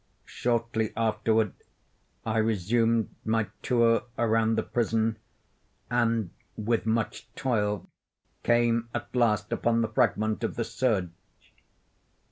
Shortly afterward, I resumed my tour around the prison, and with much toil came at last upon the fragment of the serge.